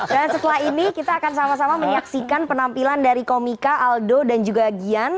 dan setelah ini kita akan sama sama menyaksikan penampilan dari komika aldo dan juga gian